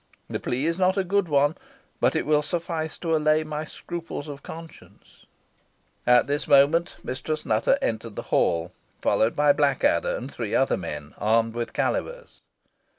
The plea is not a good one, but it will suffice to allay my scruples of conscience." At this moment Mistress Nutter entered the hall, followed by Blackadder and three other men, armed with calivers.